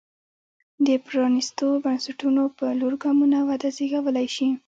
د پرانېستو بنسټونو په لور ګامونه وده زېږولی شي.